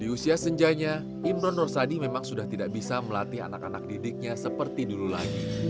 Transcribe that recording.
di usia senjanya imron nursadi memang sudah tidak bisa melatih anak anak didiknya seperti dulu lagi